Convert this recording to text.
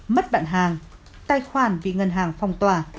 mất bạn hàng tài khoản vì ngân hàng phong tỏa